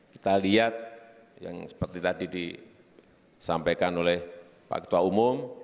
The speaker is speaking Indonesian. kita lihat yang seperti tadi disampaikan oleh pak ketua umum